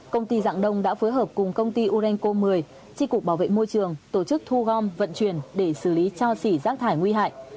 công ty dạng đông đã phối hợp cùng công ty urenco một mươi tri cục bảo vệ môi trường tổ chức thu gom vận chuyển để xử lý cho xỉ rác thải nguy hại